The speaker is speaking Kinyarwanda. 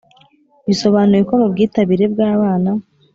bisobanuye ko mu bwitabire bw abana